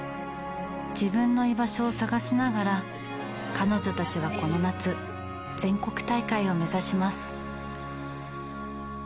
自分の居場所を探しながら彼女たちはこの夏全国大会を目指します。